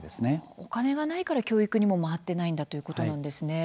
お金がないから教育にも回っていないということなんですね